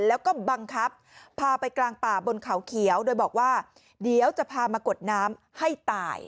แล้วก็บังคับพาไปกลางป่าบนเขาเขียวโดยบอกว่าเดี๋ยวจะพามากดน้ำให้ตาย